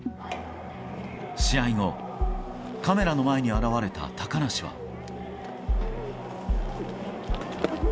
試合後カメラの前に現れた高梨は。